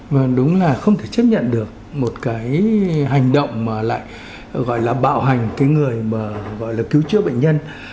vâng đúng là không thể chấp nhận được một cái hành động mà lại gọi là bạo hành cái người mà gọi là cứu chữa bệnh nhân